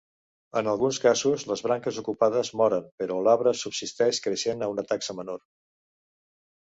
En alguns casos les branques ocupades moren, però l'arbre subsisteix creixent a una taxa menor.